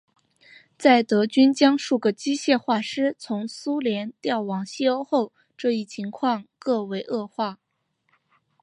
在德军将数个机械化师从苏联调往西欧后这一情况更为恶化。